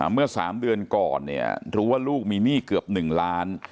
เมื่อ๓เดือนก่อนเนี่ยรู้ว่าลูกมีหนี้เกือบ๑ล้าน